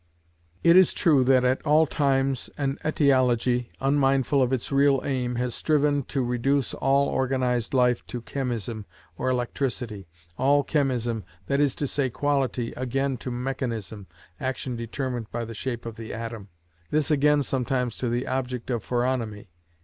It is true that at all times an etiology, unmindful of its real aim, has striven to reduce all organised life to chemism or electricity; all chemism, that is to say quality, again to mechanism (action determined by the shape of the atom), this again sometimes to the object of phoronomy, _i.e.